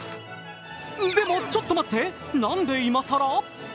でも、ちょっと待って、なんで今さら？